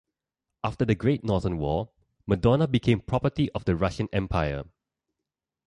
After the Great Northern War, Madona became property of the Russian Empire.